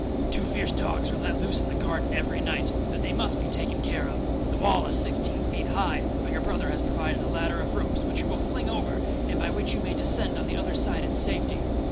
'Two fierce dogs are let loose in the garden every night,—but they must be taken care of. The wall is sixteen feet high,—but your brother has provided a ladder of ropes, which he will fling over, and by which you may descend on the other side in safety.'